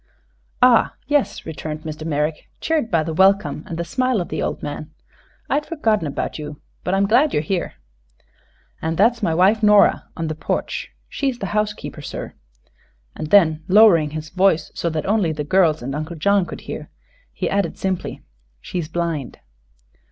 "Ah, yes," returned Mr. Merrick, cheered by the welcome and the smile of the old man. "I'd forgotten about you, but I'm glad you're here." "And that is my wife Nora, on the porch. She's the housekeeper, sir." And then, lowering his voice so that only the girls and Uncle John could hear, he added simply: "She's blind."